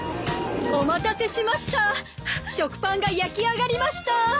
お待たせしました食パンが焼き上がりました！